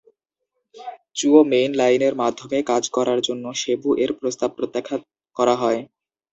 চুও main লাইনের মাধ্যমে কাজ করার জন্য সেবু এর প্রস্তাব প্রত্যাখ্যান করা হয়।